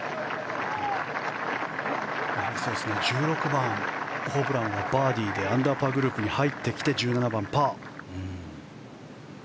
１６番、ホブランはバーディーでアンダーパーグループに入って１７番、パー。